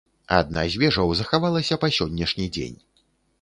Адна з вежаў захавалася па сённяшні дзень.